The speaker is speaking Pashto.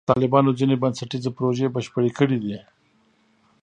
طالبانو ځینې بنسټیزې پروژې بشپړې کړې دي.